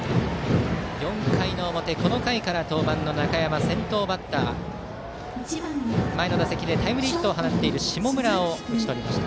４回の表、この回から登板の中山先頭バッターの前の打席でタイムリーヒットを放っている下村を打ち取りました。